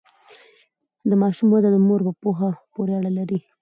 د ماشوم وده د مور په پوهه پورې اړه لري۔